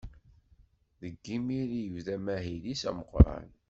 Deg yimir i yebda amahil-is ameqqran.